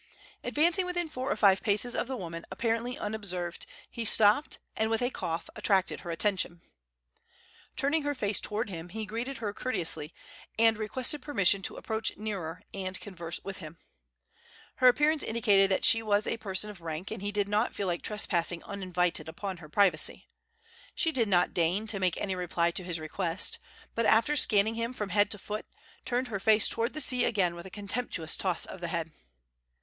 Advancing within four or five paces of the woman, apparently unobserved, he stopped, and with a cough attracted her attention. Turning her face toward him, he greeted her courteously, and requested permission to approach nearer and converse with her. Her appearance indicated that she was a person of rank, and he did not feel like trespassing uninvited upon her privacy. She did not deign to make any reply to his request, but, after scanning him from head to foot, turned her face toward the sea again with a contemptuous toss of the head.